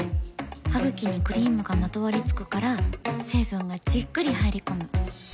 ハグキにクリームがまとわりつくから成分がじっくり入り込む。